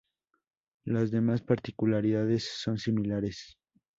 Las demás particularidades son similares.